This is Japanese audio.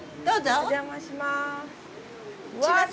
お邪魔します。